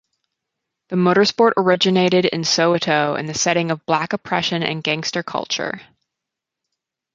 The motorsport originated in Soweto in the setting of black oppression and gangster culture.